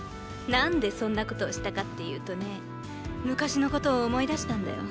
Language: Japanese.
何でそんなことをしたかっていうとね昔のことを思い出したんだよ。